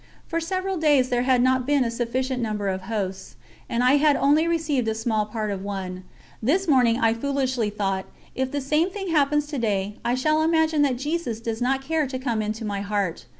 For several days there had not been a sufficient number of Hosts, and I had only received a small part of one; this morning I foolishly thought: "If the same thing happens to day, I shall imagine that Jesus does not care to come into my heart."